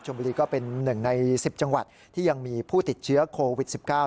บุรีก็เป็นหนึ่งใน๑๐จังหวัดที่ยังมีผู้ติดเชื้อโควิด๑๙